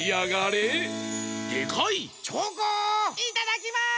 いただきます！